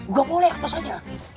gak boleh apa saja